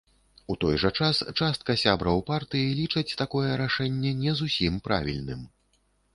У той жа час частка сябраў партыі лічаць такое рашэнне не зусім правільным.